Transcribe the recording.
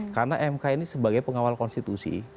karena mk ini sebagai pengawal konstitusi